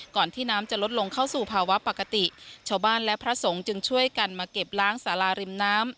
ที่น้ำจะลดลงเข้าสู่ภาวะปกติชาวบ้านและพระสงฆ์จึงช่วยกันมาเก็บล้างสาราริมน้ำ